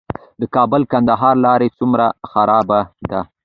د کابل - کندهار لاره څومره خرابه ده؟